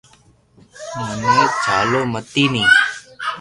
مني جھالو متي ني